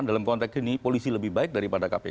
dalam konteks ini polisi lebih baik daripada kpk